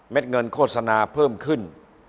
เงินโฆษณาเพิ่มขึ้น